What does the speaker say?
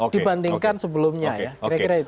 dibandingkan sebelumnya ya kira kira itu